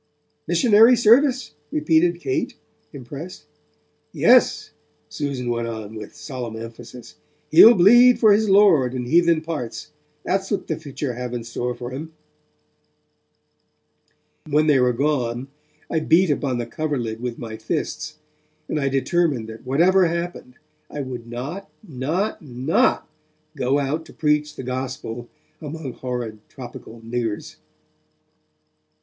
'Missionary service?' repeated Kate, impressed. 'Yes,' Susan went on, with solemn emphasis, 'he'll bleed for his Lord in heathen parts, that's what the future have in store for 'im.' When they were gone, I beat upon the coverlid with my fists, and I determined that whatever happened, I would not, not, not, go out to preach the Gospel among horrid, tropical niggers.